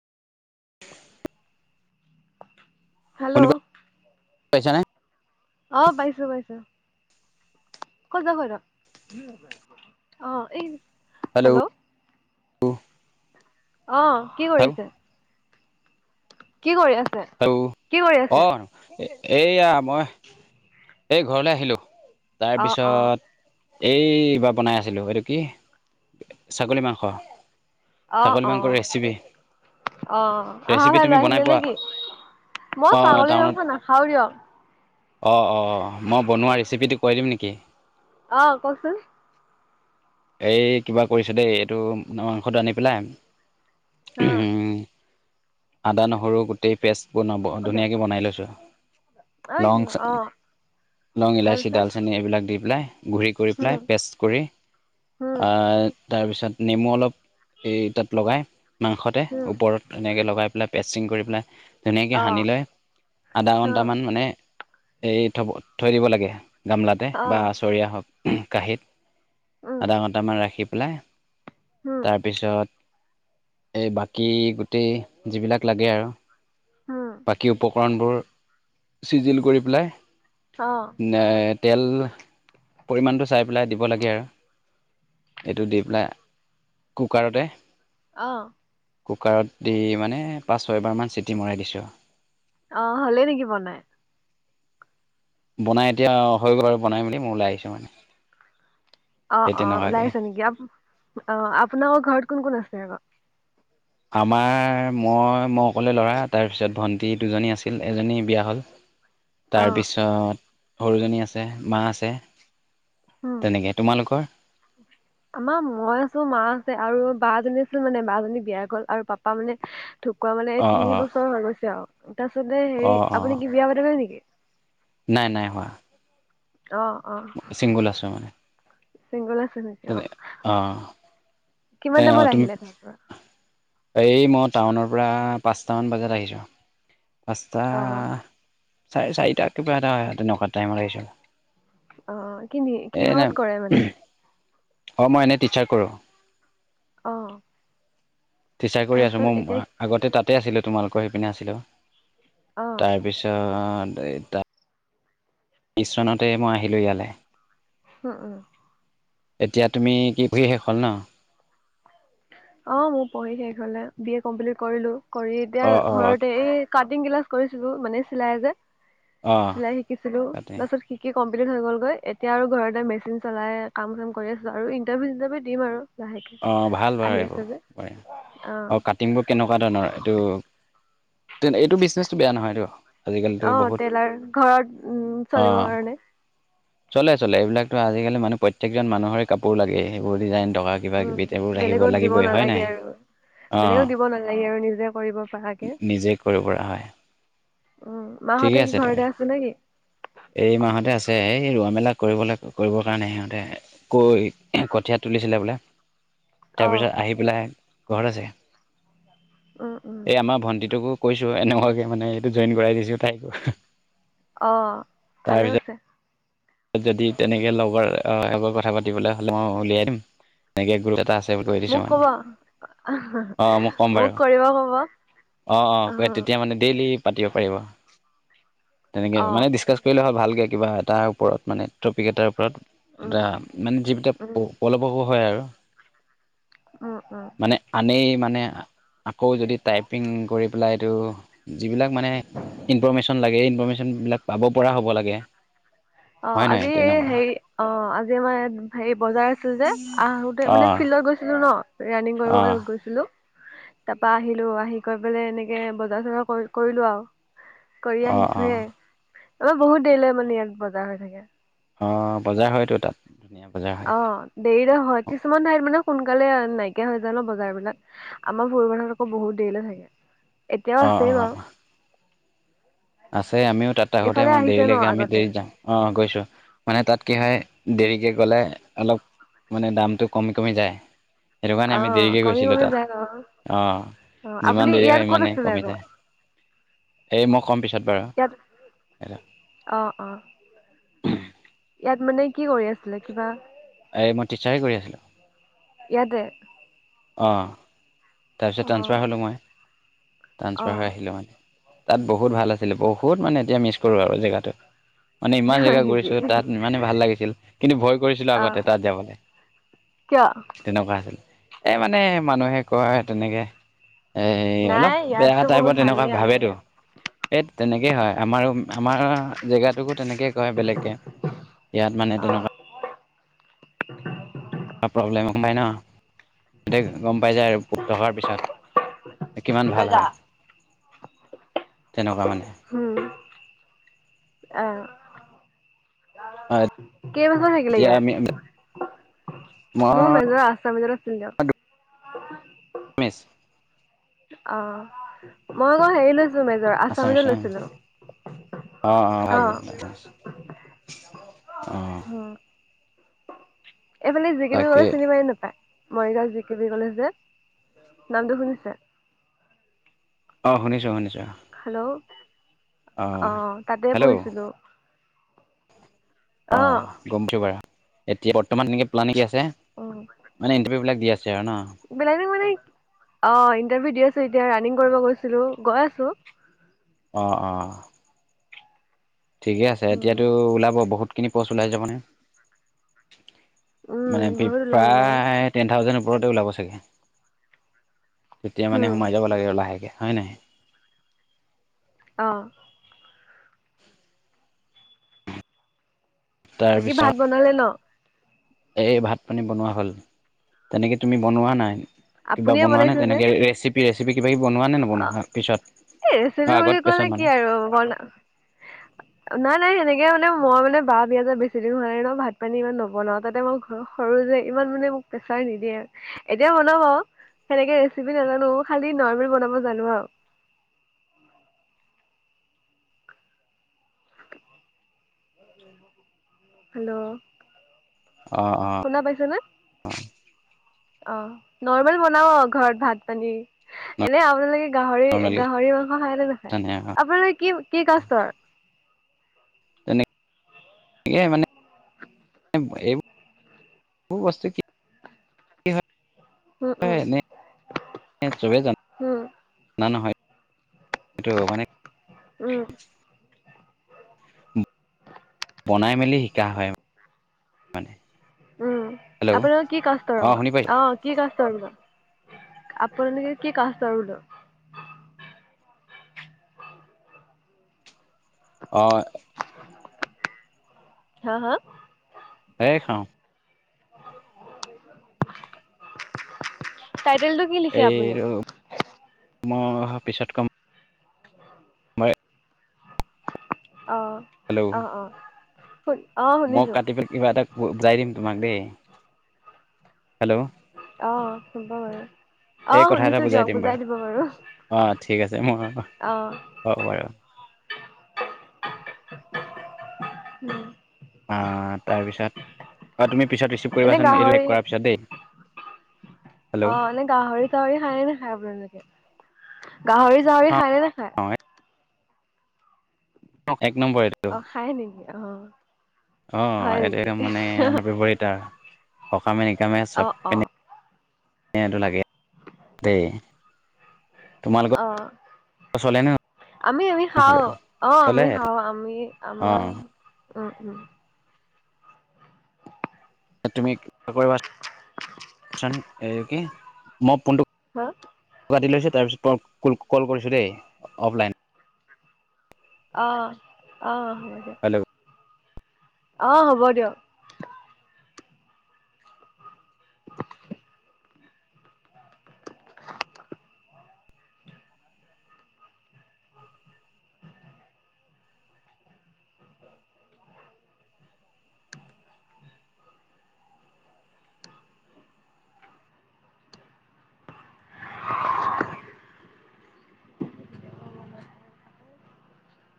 Hello. পাইছা নে? অ পাইছো পাইছো। ক যোৱা হয় ৰ অ এই হেল্ল'। উহ অ কি কৰিছে? কি কৰি আছ। আৰু অ এয়া মই। এই ঘৰলৈ আহিলো। তাৰ অ অ পিছত। এইবাৰ বনাই আছিলো এইটো কি ছাগলী মাংস। অ ছাগলী অ মাংসৰ ৰেচিপি আহ আহা ৰেচিপি ভাই তুমি লৈ বনাই আহিলি পোৱা নেকি? মই অ' ছাগলী টাউনত মাংস নাখাও দিয়ক। অ অ মই বনোৱা ৰেচিপিটো কৈ দিম নেকি? অহ কওকচোন। এই কিবা কৰিছ দেই এইটো মাংসটো আনি পেলাই,। অহ। আদা নহৰু গোটেই পেষ্ট বোৰ ক'ত যা ধুনীয়াকে বনাই লৈছো,। লং অ লং, ইলাচি, তাৰপিছত ডালচেনি এইবিলাক দি পেলাই। ঘূৰি কৰি পেলাই হম পেষ্ট কৰি হম তাৰপিছত নেমু অলপ। এই তাত লগাই মাংসতে হম ওপৰত এনেকে লগাই পেলাই পেচিং কৰি পেলাই। ধুনীয়াকৈ অ সানি লৈ আধা অ ঘণ্টামান মানে এই থব থৈ দিব লাগে,। গামলাতে অ বা আচৰীয়া হওক কাঁহীত উম আধা ঘণ্টামান ৰাখি পেলাই,। হম তাৰপিছত এই বাকী গোটেই যিবিলাক লাগে আৰু। হম বাকী উপকৰণবোৰ চিজিল কৰি পেলাই অ নে তেল পৰিমাণটো চাই পেলাই দিব লাগে আৰু। এইটো দি পেলাই কুকাৰতে আহ। কুকাৰত দি মানে পাঁচ-ছয়বাৰমান চিটি মৰাই দিছোঁ আও অ, হলেই নেকি বনাই? বনাই এতিয়া হৈ গ'ল আৰু বনাই মেলি মই ওলাই আহিছো মানে। অ, এই অ ওলাই তেনেকুৱাকে। আছে নেকি? আ অ আপোনাৰৰ ঘৰত কোন কোন আছে আকৌ? আমাৰ মই মই অকলে ল'ৰা, তাৰপিছত ভন্টি দুজনী আছিল এজনী বিয়া হ'ল। অ তাৰপিছত সৰু জনী আছে, মা আছে। উম তেনেকে তোমালোকৰ? আমাৰ মই আছো, মা আছে, আৰু বা জনী আছিল মানে বা জনী বিয়া গ'ল আৰু পাপা মানে ঢুকুৱা মানে এই অঁ তিনি অঁ বছৰ হৈ গৈছে আৰু তাৰপিছতে হেৰি অঁ অঁ আপুনি কি বিয়া পাতি ব নেকি? নাই নাই হোৱা। অ চিংগুল আছো মানে। চিংগোল আছ তেনে, আহঁ কিমান টাইম ত আহিলে তাৰ পৰা? এই মই টাউনৰ পৰা পাঁচটা মান বজাত আহিছো। পাঁচটা, অ চাৰে চাৰিটা কিবা এটা হয় তেনেকোৱাত টাইমত আহিছো। অ অ কি নি কিহত কৰে মানে? অ, মই এনেই টিচাৰ কৰো। অহ। টিচাৰ কৰি আছো মই আগতে তাতে আছিলো তোমালোকৰ সেইপিনে আছিলো। অ তাৰপিছত অ [unintelligible] বিছ চনতে মই আহিলোঁ ইয়ালে। উম, উম। এতিয়া তুমি কি পঢ়িশেষ হল ন? অ, মোৰ পঢ়ি শেষ হলে বি এ কমপ্লিট কৰিলো। কৰি এতিয়া অঁ অঁ ঘৰতে এই কাটিং ক্লাছ কৰিছিলো মানে চিলাই যে, অঁ চিলাই শিকিছিলো তাতে তাৰপিছত শিকি কমপ্লিট হৈ গলগৈ এতিয়া আৰু ঘৰতে মেচিন চলাই কাম চাম কৰি আছো আৰু ইন্টাৰভিউ চিন্টাৰভিউ দিম আৰু। [unintelligible] অঁ ভাল যে অ কাটিংবোৰ কেনেকোৱা ধৰণৰ এইটো এইটো বিজনেচটো বেয়া নহয়তো, আজিকালিতো অ বহুত টেইলাৰ ঘৰত উম চলিবৰ অ' কাৰণে চলে চলে এইবিলাকতো আজিকালি মানুহ প্ৰত্যেকজন মানুহৰে কাপোৰ লাগে। সেইবোৰ ডিজাইন বা কিবা-কিবি এইবোৰ উম আহিব বেলেগত দিব লাগিবই হয় নালাগে নাই? আৰু বেলেগক অহ দিব নালাগে আৰু নিজে কৰিব পৰাকে নিজে কৰিব পৰা হয়। উম, ঠিকে মাহতে কি আছে তুমি ঘৰতে আছ নে কি? এই মাহতে আছে এই ৰোৱা মেলা কৰিবলৈ কৰিবৰ কাৰণে সিহঁতে কৈ কঠিয়াত তুলিছিলে বোলে। অ তাৰপিছত আহি পেলাই ঘৰত আছে উম উম এই আমাৰ ভন্টিটোকো কৈছো এনেকোৱাকে মানে এইটো জইন কৰাই দিছো তাইকো। অ, ভালে তাৰপিছত কৈছে। যদি তেনেকে লগৰ এৰ কথা পাতিবলৈ হলে মই উলিয়াই দিম এনেকে গ্ৰুপ এটা আছে। বুলি কৈ দিছোঁ মোক মানে কবা অ ক'ম বাৰু মোক কৰিব কব? অ, অ তেতিয়া মানে ডেইলি পাতিব পাৰিব তেনেকে অ মানে ডিচকাচ কৰিলে হয়। ভালকে কিবা এটা ওপৰত মানে টপিক এটাৰ ওপৰত উম এটা মানে যিবটা উম পলৱকো হয় আৰু উম উম মানে আনে মানে আকৌ যদি টাইপিং কৰি পেলাই ত যিবিলাক মানে ইনফৰমেশ্যন লাগে এই ইনফৰৰ্মেশ্যন বিলাক পাব পৰা হ'ব লাগে। অ' হয় নহয় আজি এই তেনেকুৱা হেৰি অ' আজি আমাৰ ইয়াত হেৰি বজাৰ আছিল যে। আহোঁতে মানে অ', লৈ গৈছিলো ন ৰানিং কৰিব অ', গৈছিলো। তাৰ পৰা আহিলো আহি কৰি পেলাই এনেকে বজাৰ চজাৰ কৰি কৰিলো আৰু। কৰি অ', অ', আহিছোহে। আমাৰ বহুত দেৰিলৈ মানে ইয়াত বজাৰ হৈ থাকে। অ' বজাৰ হয়তো তাত, ধুনীয়া বজাৰ হয়। অ দেৰিৰে হয়। কিছুমান ঠাইত মানে সোনকালে নাইকিয়া হৈ যায় ন' বজাৰবিলাক। আমাৰ ভৰো বানত আকৌ বহুত দেৰি দিলে থাকে। এতিয়াও অ', আছেই অ', বাৰু। আছে আমিও তাত আগতে এইফালে আহিছে দেৰিলৈকে ন আমি আগতে দেৰিত যাম অ গৈছো। মানে তাত কি হয়, দেৰিকে গ'লে অলপ মানে দামটো কমি - কমি যায়। সেইটো কাৰণে অ আমি দেৰিকে কমি গৈছিলো কমি যায় তাত বাৰু অ অ যিমান আপুনি দেৰি ইয়াত হয় ক'ত সিমানেই আছিলে কমি আকৌ যায় এই মই কম পিছত বাৰ এটা অঁ অঁ। ইয়াত মানে কি কৰি আছিলে? কিবা এই মই টিচাৰে কৰি আছিলো। ইয়াতে! অঁ তাৰপিছত অ ট্ৰাঞ্চফাৰ হ'লোঁ মই। অ ট্ৰানসফাৰ আহিলে মানে তাত বহুত ভাল আছিলে বহুত মানে এতিয়া মিছ কৰোঁ আৰু জেগাটো। মানে ইমান হয় জেগা নেকি গৈছো তাত ইমানে ভাল লাগিছিল কিন্তু ভয় কৰিছিলো অ আগতে তাত যাবলৈ। কিয় তেনেকুৱা আছিল। এই মানে মানুহে কয় তেনেকে এ অলপ নাই বেয়া ইয়াততো বহুত টাইপৰ তেনেকুৱা ভালেই আমাৰ ভাৱেতো। ইয়াত এত তেনেকেই হয় আমাৰো আমাৰ জেগাটোকো তেনেকে কয় বেলেগকে। ইয়াত মানে তেনেকুৱা অঁ। প্ৰব্লেম সোমাই ন সতে গম পাই যায় আৰু পুকত্ত হোৱাৰ পিছত কিমান লৈ ভাল যা হয় তেনেকুৱা মানে উম অ'। কেইবছৰ থাকিলে এতিয়া আমি ইয়াত মোৰ মই মেজৰ আছামিছত আছিলে। হল অ' মই আকৌ হেৰি লৈছোঁ মেজৰ। আছামিজত লৈছিলোঁ। অঁ অঁ ভাল অঁ। উম এইফালে যিকিবি গলে তাকে চিনি পায় নে নাপায় Morigaon G K B college যে নামটো শুনিছে। অঁ শুনিছো শুনিছো। হেল্ল', ! অ' তাতে হেল্ল' পঢ়িছিলোঁ। অঁ গমছ বাৰু এতিয়া বৰ্তমান এনেকে প্লেন কি আছে মে ইটাৰভিউ বিলাক দি আছে আৰু ন? বিলানী মানে। অ' ইণ্টাৰভিউ দি আছোঁ। এতিয়া ৰানি‍ং কৰিব গৈছিলোঁ। গৈ আছোঁ। অ' - অ'। ঠিকে আছে। উম এতিয়াতো ওলাব বহুতখিনি পষ্ট ওলাই যাবনে। উম মানে বহুত ওলাব বাৰু প্ৰায় টেন থাউজেণ্ড ওপৰতে ওলাব চাগে। তেতিয়া মানে হম সোমাই যাব লাগে লাহেকে, হয় নহয়? আহঁ। বাকী ভাত বনালে ন। এ ভাত পানী বনোৱা হ'ল তেনেকে তুমি বনোৱা নাই। কিবা আপুনিয়ে বনোৱা নে বনাইছে যে তেনেকে, ৰেচিপি- ৰেচিপি কিবা কিবি বনোৱা নে অ নবনোৱা পিছত? ৰেচিপি অ' আগত বুলি ক'লে পিছত কি মানে? আৰু, বনা- নাই - নাই সেনে এতিয়া মানে মই মানে বাৰ বিয়া যে বেছি দিন হোৱা নাই ন', ভাত-পানী ইমান নবনাওঁ। তাতে মই ঘৰৰ সৰু যে, ইমান মানে প্ৰেছাৰ নিদিয়ে। এতিয়া বনাব আৰু। সেনেকে ৰেচিপি নাজানোঁ। খালি নৰ্মেল বনাব জানো আৰু। হেল্ল'? অ' - অ'- শুনা পাইছেনে অ'। অ'। নৰ্মেল বনাও ঘৰত ভাত-পানী। এনে আপোনালোকে গাহৰি- নৰ্মেল গাহৰি মাংস খাই নে নাখায়? আপোনালোকে কি- কি কাষ্টৰ? তেনে কে মানে এইবোৰ বস্তু কি [inaudible] উম, হয় উম, এনে [inaudible] চবে জান উম, [inaudible] না নহয় সেইটো মানে উম। উম। বনাই মেলি শিকা হয় [inaudible] মানে। উম, হেল্ল' আপোনালোক কি কাষ্টৰ অঁ হ? শুনি পাই অ' কি কাষ্টৰ বোলো? আপোনালোকে কি কাষ্টৰ বোলো? অ'। হা - হা? সেই খাওঁ। [unintelligible] টাইটেলটো কি লিখে আপুনি? অ' পিছত কম। মই অ', অ' - অ'। শুন অ' মই শুনিছোঁ কাটি পেল- কিবা এটা যাই দিম তোমাক দেই। হেল্ল' অ' শুব বাৰু। অ' শুনিছোঁ দিয়ক। বুজাই দিব বাৰু। অ' ঠিক আছে মই, অ'। হ'ব বাৰু। উম। অ' তাৰপিছত। আৰু তুমি পিছত ৰিচিভ এনে কৰিবাচোন, এইটো শেষ গাহৰি কৰাৰ পিছত দেই। হেল্ল' অ' এনে গাহৰি-চাহৰি খাই নে নেখায় আপোনালোকে? গাহৰি-চাহৰি অঁ খায় নে নাখায়? অঁ এক নম্বৰ এইটো। অ খায় নেকি? অ'। হয় অ' নেকি? ইতে মানে আমাৰ ব্যৱহাৰিতা সকামে-নিকামে অ চব অ পিনে [inaudible] টো লাগে দেই। অ তোমালোকৰ [inaudible] আমি - আমি খাওঁ। নচলে অ' চলে আমি খাওঁ। আমি আমা অঁ উম - উম। [unintelligible] তুমি [inaudible] কৰিবা [inaudible] চোন। এই কি মই ফোনটো হা? কাটি লৈছোঁ, তাৰপিছত ক- কল কৰিছোঁ দেই। অফলাইন অ', অ'। হ'ব দিয়ক হেল্ল'? অ' হ'ব দিয়ক।